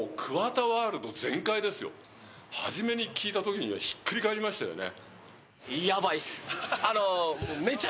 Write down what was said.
男性：初めに聴いた時にはひっくり返りましたよね。